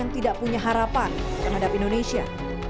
yang tidak punya harapan terhadap indonesia